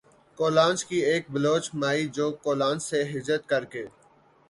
کولانچ کی ایک بلوچ مائی جو کولانچ سے ھجرت کر کے